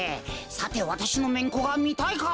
さてわたしのめんこがみたいか？